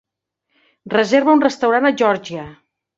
reserva un restaurant a Georgia